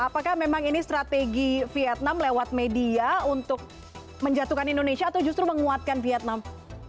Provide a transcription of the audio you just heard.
apakah memang ini strategi vietnam lewat media untuk menjatuhkan indonesia atau justru menguatkan vietnam